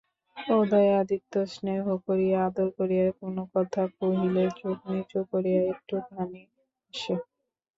উদয়াদিত্য স্নেহ করিয়া আদর করিয়া কোনো কথা কহিলে চোখ নিচু করিয়া একটুখানি হাসে।